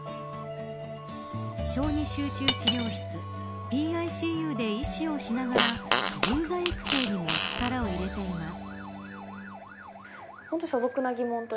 小児集中治療室ＰＩＣＵで医師をしながら人材育成にも力を入れています。